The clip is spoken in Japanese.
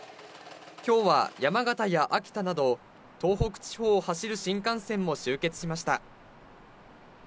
きょうは山形や秋田など、東北地方を走る新幹線も集結しました。